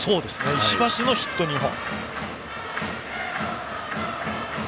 石橋のヒット２本。